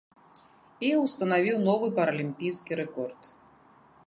І ўстанавіў новы паралімпійскі рэкорд.